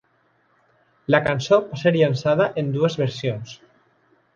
La cançó va ser llançada en dues versions.